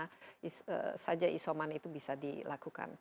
apa saja isoman itu bisa dilakukan